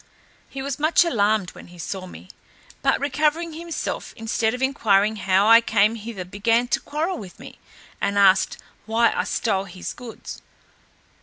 He was much alarmed when he saw me; but recovering himself, instead of enquiring how I came thither began to quarrel with me, and asked, why I stole his goods?